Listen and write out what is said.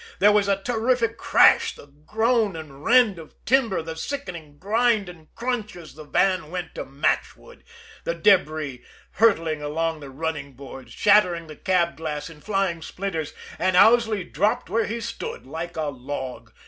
There was a terrific crash, the groan and rend of timber, the sickening grind and crunch as the van went to matchwood the debris hurtling along the running boards, shattering the cab glass in flying splinters and Owsley dropped where he stood like a log.